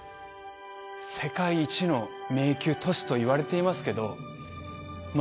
世界一の迷宮都市といわれていますけどま